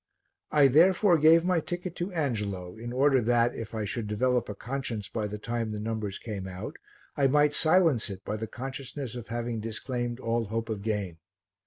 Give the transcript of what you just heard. I, therefore, gave my ticket to Angelo in order that, if I should develop a conscience by the time the numbers came out, I might silence it by the consciousness of having disclaimed all hope of gain.